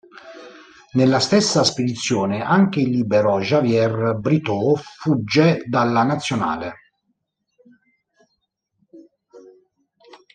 Nella stessa spedizione anche il libero Javier Brito fugge dalla nazionale.